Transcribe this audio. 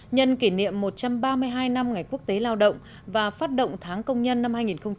nhân kỷ niệm một trăm ba mươi hai năm ngày quốc tế lao động và phát động tháng công nhân năm hai nghìn hai mươi